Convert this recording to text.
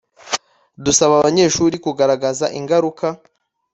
dusaba abanyeshuri kugaragaza ingaruka